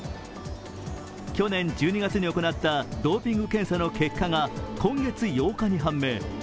去年１２月に行ったドーピング検査の結果が今月８日に判明。